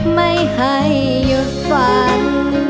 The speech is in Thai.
ไม่ให้หยุดฝัน